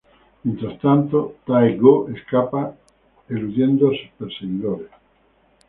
Mientras tanto, Tae-goo escapa, eludiendo a sus perseguidores.